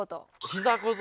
膝小僧